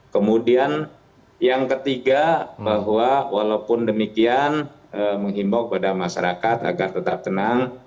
kemudian yang ketiga bahwa walaupun demikian menghimbau kepada masyarakat agar tetap tenang